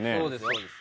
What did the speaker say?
そうです